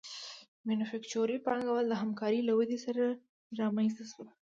مینوفکچور پانګوالي د همکارۍ له ودې سره رامنځته شوه